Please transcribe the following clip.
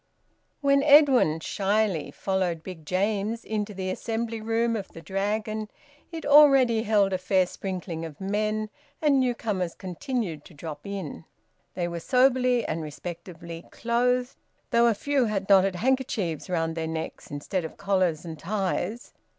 When Edwin, shyly, followed Big James into the assembly room of the Dragon, it already held a fair sprinkling of men, and newcomers continued to drop in. They were soberly and respectably clothed, though a few had knotted handkerchiefs round their necks instead of collars and ties.